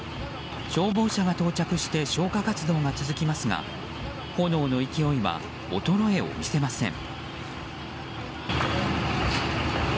消防車が到着して消火活動が続きますが炎の勢いは衰えを見せません。